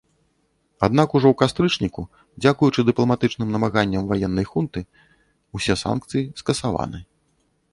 Аднак ужо у кастрычніку, дзякуючы дыпламатычным намаганням ваеннай хунты, усе санкцыі скасаваны.